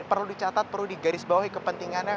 perlu dicatat perlu digarisbawahi kepentingannya